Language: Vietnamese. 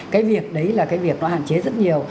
cái việc đấy là cái việc nó hạn chế rất nhiều